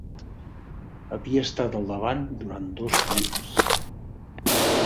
Havia estat al davant durant dos dies.